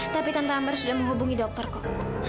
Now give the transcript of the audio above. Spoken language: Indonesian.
tapi tante amber sudah menghubungi dokter kok